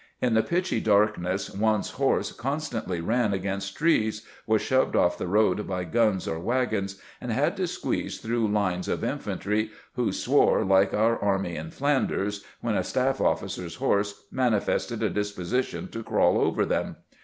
In the pitchy darkness one's horse constantly ran against trees, was shoved off the road by guns or wagons, and had to squeeze through lines of infantry, who swore like " our army in Flan ders " when a staff oflB.cer's horse manifested a disposi tion to crawl over them.